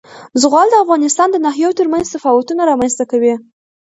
زغال د افغانستان د ناحیو ترمنځ تفاوتونه رامنځ ته کوي.